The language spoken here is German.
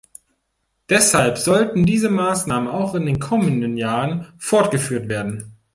Deshalb sollten diese Maßnahmen auch in den kommenden Jahren fortgeführt werden.